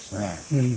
うん。